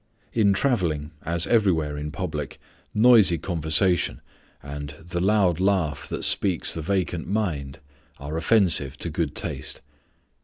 In travelling, as everywhere in public, noisy conversation and the "loud laugh that speaks the vacant mind" are offensive to good taste.